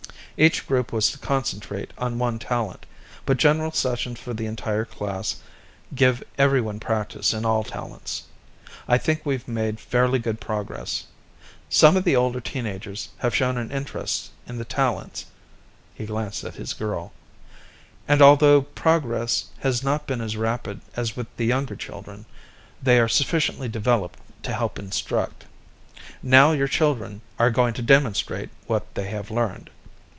Each group was to concentrate on one talent, but general sessions for the entire class give everyone practice in all talents. I think we've made fairly good progress. Some of the older teen agers have shown an interest in the talents (he glanced at his girl), and although progress has not been as rapid as with the younger children, they are sufficiently developed to help instruct. Now your children are going to demonstrate what they have learned."